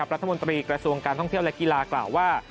รัฐมนตรีกระทรวงการท่องเที่ยวและกีฬากล่าวว่า